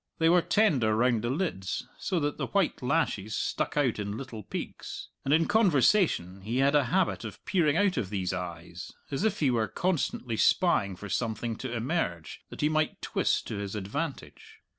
They were tender round the lids, so that the white lashes stuck out in little peaks. And in conversation he had a habit of peering out of these eyes as if he were constantly spying for something to emerge that he might twist to his advantage.